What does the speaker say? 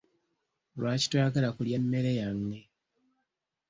Lwaki toyagala kulya mmere yange?